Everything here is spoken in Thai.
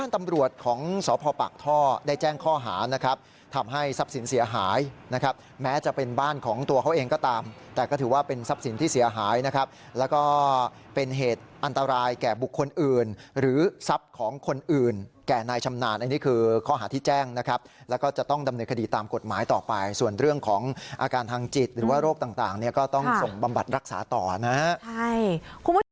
แต่ก็ถือว่าเป็นทรัพย์สินที่เสียหายนะครับแล้วก็เป็นเหตุอันตรายแก่บุคคลอื่นหรือทรัพย์ของคนอื่นแก่นายชำนาญอันนี้คือข้อหาที่แจ้งนะครับแล้วก็จะต้องดำเนิดคดีตามกฎหมายต่อไปส่วนเรื่องของอาการทางจิตหรือว่าโรคต่างก็ต้องส่งบำบัดรักษาต่อนะครับ